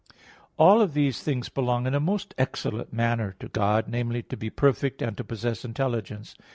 All of these things belong in a most excellent manner to God, namely, to be perfect, and to possess intelligence.